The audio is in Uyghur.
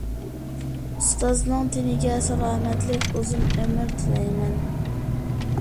ئۇستازنىڭ تېنىگە سالامەتلىك، ئۇزۇن ئۆمۈر تىلەيمەن.